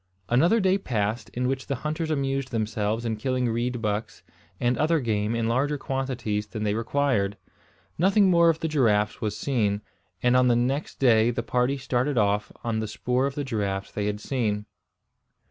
Another day passed, in which the hunters amused themselves in killing reed bucks and other game in larger quantities than they required. Nothing more of the giraffes was seen; and on the next day the party started off on the spoor of the giraffes they had seen.